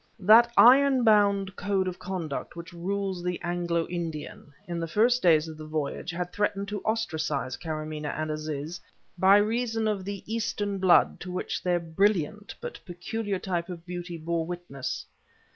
That iron bound code of conduct which rules the Anglo Indian, in the first days of the voyage had threatened to ostracize Karamaneh and Aziz, by reason of the Eastern blood to which their brilliant but peculiar type of beauty bore witness.